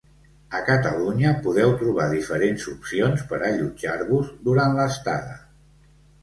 A Catalunya podeu trobar diferents opcions per allotjar-vos durant l'estada.